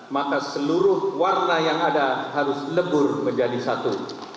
maka seluruh warna yang ada harus lebur menjadi satu